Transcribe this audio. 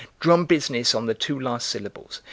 Drum business on the two last syllables.